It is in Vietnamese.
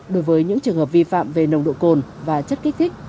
đối với những trường hợp vi phạm về nồng độ cồn và chất kích thích